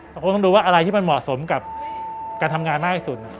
คงต้องดูว่าอะไรที่มันเหมาะสมกับการทำงานมากที่สุด